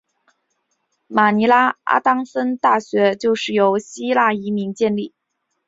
马尼拉的阿当森大学就是由希腊移民建立。